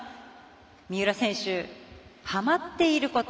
三浦選手、はまっていること